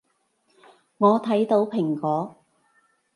我睇到蘋果